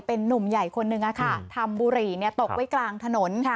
เป็นนุ่มใหญ่คนนึงอะค่ะทำบุหรี่เนี้ยตกไว้กลางถนนค่ะ